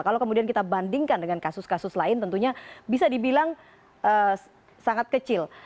kalau kemudian kita bandingkan dengan kasus kasus lain tentunya bisa dibilang sangat kecil